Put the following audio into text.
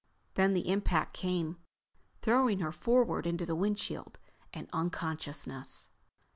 Then the impact came, throwing her forward into the windshield and unconsciousness.